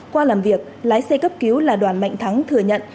qua làm việc lái xe cấp cứu là đoàn mạnh thắng thừa nhận